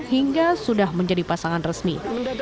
hingga sudah menjadi pasangan resmi